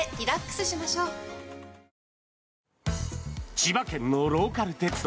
千葉県のローカル鉄道